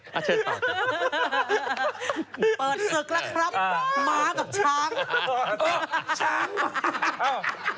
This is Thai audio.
ปลาหมึกแท้เต่าทองอร่อยทั้งชนิดเส้นบดเต็มตัว